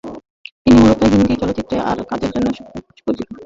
তিনি মূলত হিন্দি চলচ্চিত্রে তার কাজের জন্য সুপরিচিত।